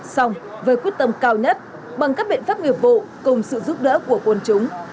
xong với quyết tâm cao nhất bằng các biện pháp nghiệp vụ cùng sự giúp đỡ của quân chúng